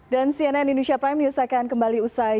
dan cnn indonesia prime news akan kembali usai